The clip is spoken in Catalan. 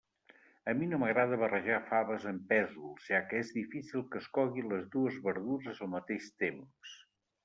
A mi no m'agrada barrejar faves amb pèsols, ja que és difícil que es coguin les dues verdures al mateix temps.